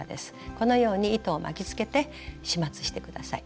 このように糸を巻きつけて始末して下さい。